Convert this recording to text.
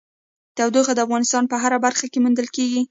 تودوخه د افغانستان په هره برخه کې موندل کېږي.